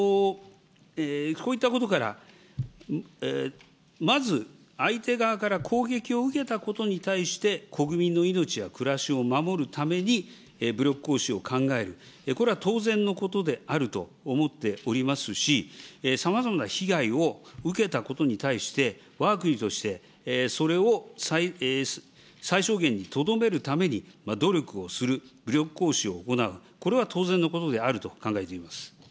こういったことから、まず相手側から攻撃を受けたことに対して、国民の命や暮らしを守るために武力行使を考える、これは当然のことであると思っておりますし、さまざまな被害を受けたことに対して、わが国としてそれを最小限にとどめるために努力をする、武力行使を行う、これは当然のことであると考えています。